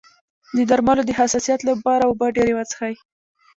د درملو د حساسیت لپاره اوبه ډیرې وڅښئ